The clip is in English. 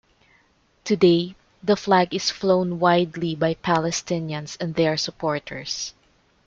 Today the flag is flown widely by Palestinians and their supporters.